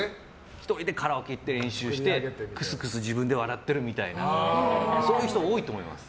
１人でカラオケ行って練習してクスクス自分で笑ってるみたいなそういう人が多いと思います。